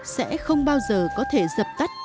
sẽ không bao giờ có thể dập tắt